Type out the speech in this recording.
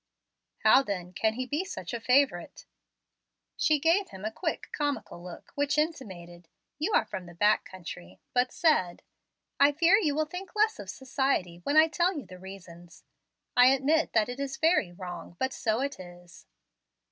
"How, then, can he be such a favorite?" She gave him a quick, comical look, which intimated, "You are from the back country," but said, "I fear you will think less of society when I tell you the reasons. I admit that it is very wrong; but so it is.